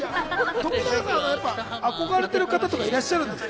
徳永さんは憧れてる方とかいるんですか？